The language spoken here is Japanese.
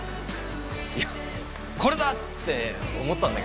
いや「これだ！」って思ったんだけど。